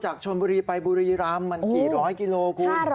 ชนบุรีไปบุรีรำมันกี่ร้อยกิโลคุณ